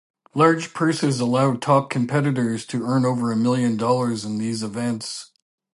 Large purses allow top competitors to earn over a million dollars in these events.